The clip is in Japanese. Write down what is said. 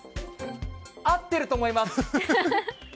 合ってると思います。